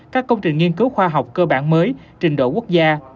các công trình nghiên cứu khoa học cơ bản mới trình độ quốc gia